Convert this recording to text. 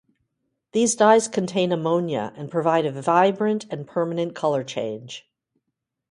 These dyes contain ammonia and provide a vibrant and permanent color change.